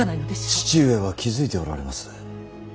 父上は気付いておられます。